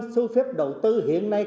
sưu phép đầu tư hiện nay